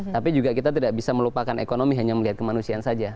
tapi juga kita tidak bisa melupakan ekonomi hanya melihat kemanusiaan saja